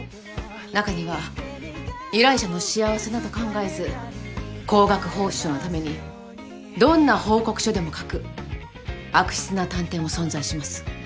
中には依頼者の幸せなど考えず高額報酬のためにどんな報告書でも書く悪質な探偵も存在します。